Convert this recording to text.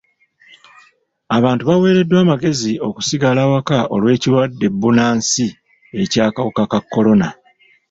Abantu baweereddwa amagezi okusigala awaka olw'ekirwadde bbunansi eky'akawuka ka kolona.